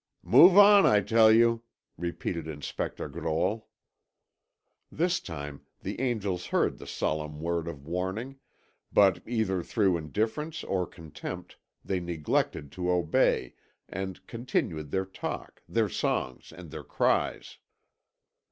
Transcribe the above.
"Move on, I tell you!" repeated Inspector Grolle. This time the angels heard the solemn word of warning, but either through indifference or contempt, they neglected to obey, and continued their talk, their songs, and their cries.